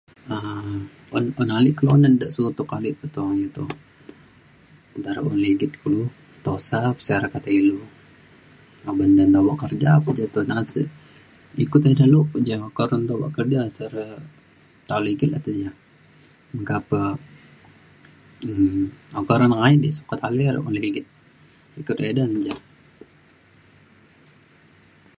um un un ale kelunan de sutok ale peto je to nta un ligit kulu tusa masyarakat ilu uban de da bok kerja [unintelligible] je te [unintelligible] ikut ida lu pe re ja okak lu nta obak kerja se re tali ke na’at te ja. meka pe um okak re nengayet di sukat ale un ligit. meka ida ne ja.